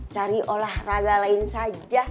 cari olah raga lain saja